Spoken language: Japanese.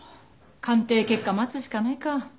鑑定結果待つしかないか。